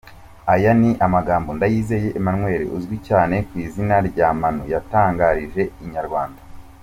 Aya ni amagambo Ndayizeye Emmanuel uzwi cyane ku izina rya Manu yatangarije inyarwanda.